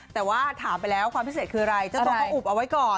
แต่ว่าถามไปแล้วความพิเศษคืออะไรเจ้าตัวเขาอุบเอาไว้ก่อน